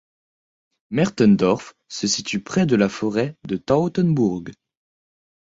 Mertendorf se situe près de la forêt de Tautenburg.